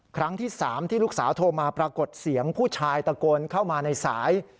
ครั้งที่๓ที่ลูกสาวโทรมาปรากฏเสียงผู้ชายตะโกนเข้ามาในสาย